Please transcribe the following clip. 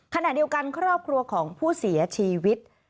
ขณะเดียวกันครอบครัวของผู้เสียชีวิต